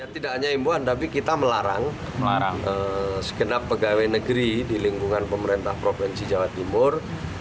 tidak hanya imbuan tapi kita melarang segenap pegawai negeri di lingkungan pemerintah provinsi jawa timur